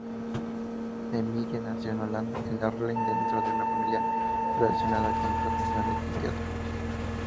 De Mille nació en Harlem dentro de una familia relacionada con profesionales del teatro.